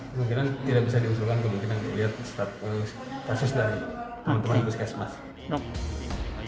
kemungkinan tidak bisa diusulkan kemungkinan lihat kasus dari teman teman itu sekai semat